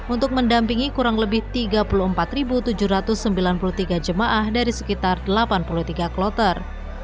untuk mendampingi kurang lebih tiga puluh empat tujuh ratus sembilan puluh tiga jemaah dari sekitar delapan puluh tiga kloter